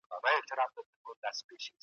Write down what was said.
سالم ذهن ناکامي نه راوړي.